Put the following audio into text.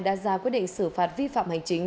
đã ra quyết định xử phạt vi phạm hành chính